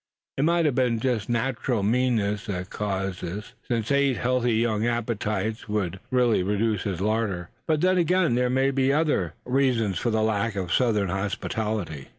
It might have been just natural meanness that caused this, since eight healthy young appetites would eat up all in his larder. But then again, there may have been other reasons for the lack of Southern hospitality.